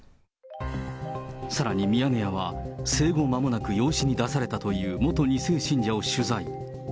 さらにミヤネ屋は、生後間もなく養子に出されたという元２世信者を取材。